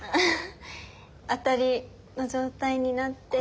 アタリの状態になって。